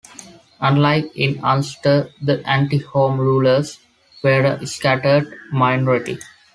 Unlike in Ulster, the anti-Home Rulers were a scattered minority.